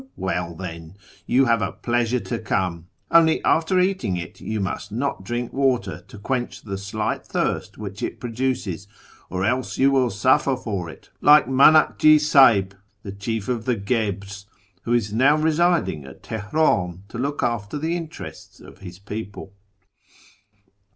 Well, then, you have a pleasure to come ; only after eating it you must not drink water to quench the slight thirst which it produces, or else you will suffer for it, like Manakji S;ihib, the chief of the Guebres, who is now residing at Teheran to look after the interests of his people.